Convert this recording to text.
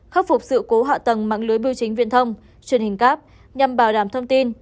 khắc phục sự cố hạ tầng mạng lưới biêu chính viên thông truyền hình cap nhằm bảo đảm thông tin